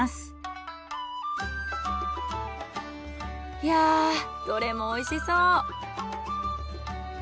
いやどれもおいしそう。